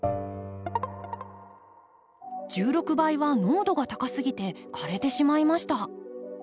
１６倍は濃度が高すぎて枯れてしまいました。